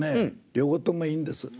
両方ともいいんです。